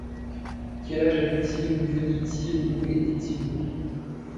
Quel âge avait-il, d’où venait-il, où était-il né?